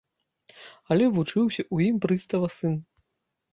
Але вучыўся ў ім прыстава сын.